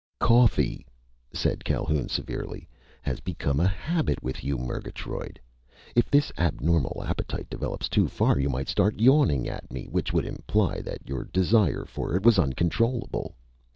"Coffee," said Calhoun severely, "has become a habit with you, Murgatroyd! If this abnormal appetite develops too far, you might start yawning at me, which would imply that your desire for it was uncontrollable.